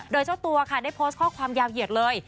โดยเจ้าตัวค่ะได้โพสต์ข้อความยาวเหยียดเลย